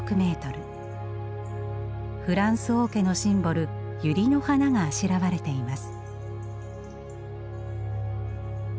フランス王家のシンボルユリの花があしらわれています。